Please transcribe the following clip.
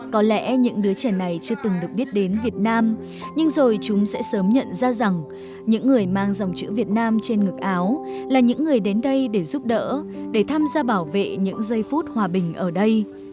có lẽ những đứa trẻ này chưa từng được biết đến việt nam nhưng rồi chúng sẽ sớm nhận ra rằng những người mang dòng chữ việt nam trên ngực áo là những người đến đây để giúp đỡ để tham gia bảo vệ những giây phút hòa bình ở đây